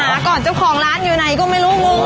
อ่ะหาก่อนเจ้าของร้านอยู่ไหนก็ไม่รู้หรือ